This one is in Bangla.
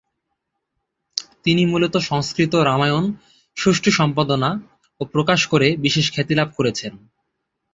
তিনি মূল সংস্কৃত রামায়ণ সুষ্ঠু সম্পাদনা ও প্রকাশ করে বিশেষ খ্যাতি লাভ করেছেন।